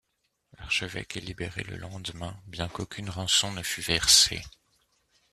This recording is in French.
L'archevêque est libéré le lendemain, bien qu'aucune rançon ne fut versée.